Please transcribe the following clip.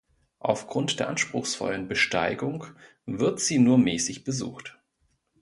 Aufgrund der anspruchsvollen Besteigung wird sie nur mäßig besucht.